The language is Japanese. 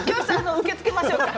受け付けましょうか。